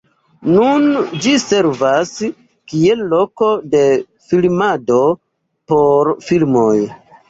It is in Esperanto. Nun ĝi servas kiel loko de filmado por filmoj.